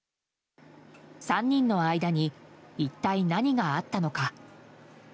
３人の間に一体何があったのか？